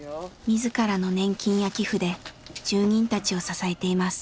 自らの年金や寄付で住人たちを支えています。